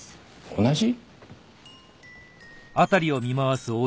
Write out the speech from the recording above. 同じ？